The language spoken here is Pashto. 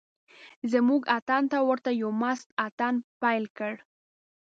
زموږ اتڼ ته ورته یو مست اتڼ پیل کړ.